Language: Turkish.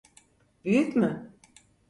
Büyük mü?